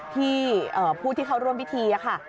ที่ผู้ที่เขาร่วมพิธี